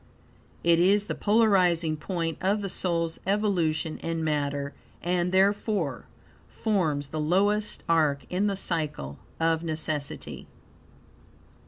It is the polarizing point of the soul's evolution in matter, and therefore, forms the lowest are in the Cycle of Necessity.